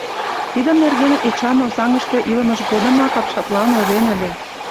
Тиде нерген Эчан Озаҥыште илымыж годымак апшатлан ойлен ыле.